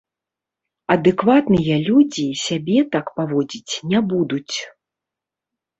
Адэкватныя людзі сябе так паводзіць не будуць.